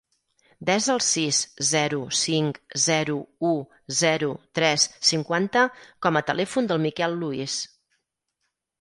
Desa el sis, zero, cinc, zero, u, zero, tres, cinquanta com a telèfon del Miquel Luis.